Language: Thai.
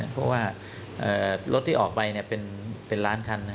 เพราะว่ารถที่ออกไปเป็นล้านคัน